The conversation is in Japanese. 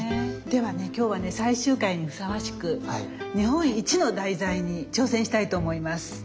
ではね今日はね最終回にふさわしく日本一の題材に挑戦したいと思います！